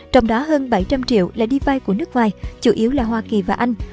trong đó hơn bảy trăm linh triệu là đi vai của nước ngoài chủ yếu là hoa kỳ và anh